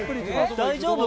大丈夫？